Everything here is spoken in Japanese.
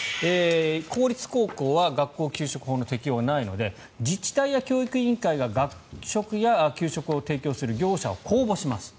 公立高校は学校給食法の適用がないので自治体や教育委員会が学食や給食を提供する業者を公募します。